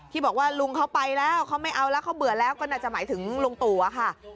ที่บอกว่าลุงเขาไปแล้วเขาไม่เอาแล้วเขาเบื่อแล้วก็น่าจะหมายถึงลุงตู่อะค่ะ